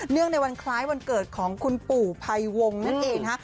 เนื่องในวันคล้ายวันเกิดของคุณปู่ไพวงนั่นเอง